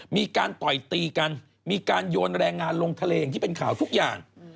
มีการต่อยตีกันมีการโยนแรงงานลงทะเลอย่างที่เป็นข่าวทุกอย่าง